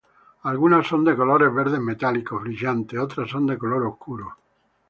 Algunas son de colores verdes metálicos brillantes otras son de color oscuro.